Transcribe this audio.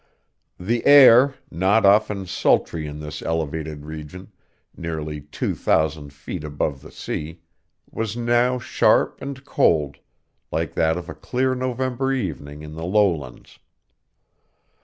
The air, not often sultry in this elevated region, nearly two thousand feet above the sea, was now sharp and cold, like that of a clear November evening in the lowlands.